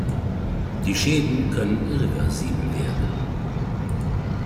Die Schäden können irreversibel werden.